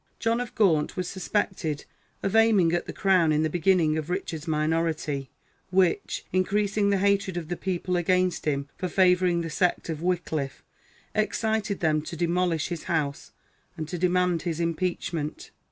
John of Gaunt was suspected of aiming at the crown in the beginning of Richard's minority, which, increasing the hatred of the people against him for favouring the sect of Wickliffe, excited them to demolish his house and to demand his impeachment."